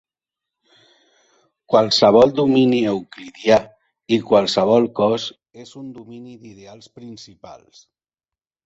Qualsevol domini euclidià i qualsevol cos és un domini d'ideals principals.